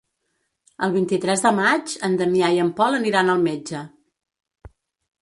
El vint-i-tres de maig en Damià i en Pol aniran al metge.